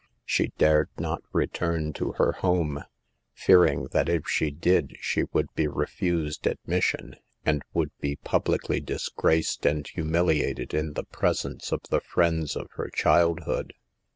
She dared not return to her home, fearing that if she did she would be refused admission, and would be publicly dis graced and humiliated in the presence of the friends of her childhood.